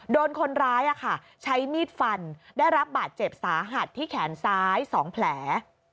โดนคนร้ายใช้มีดฟันได้รับบาดเจ็บสาหัสที่แขนซ้าย๒แผล